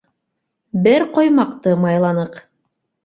- Бер ҡоймаҡты майланыҡ!